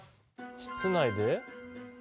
室内で？